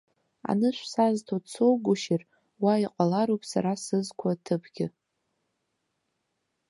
Анышә сазҭо дсоугәышьар, уа иҟалароуп сара сызқәаҭыԥгьы.